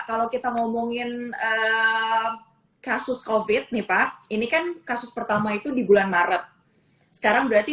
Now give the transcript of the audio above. kalau kita ngomongin kasus covid nih pak ini kan kasus pertama itu di bulan maret sekarang berarti